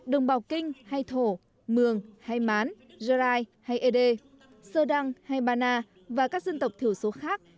đồng bào kinh hay thổ mường hay mán gerai hay ede sơ đăng hay bana và các dân tộc thiểu số khác